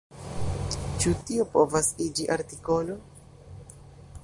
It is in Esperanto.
Ĉu tio povas iĝi artikolo?